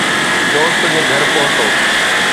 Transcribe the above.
دوست جي گهر پهتو